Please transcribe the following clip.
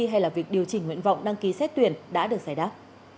hay là việc điều chỉnh nguyện vọng đăng ký xét tuyển đã được giải đáp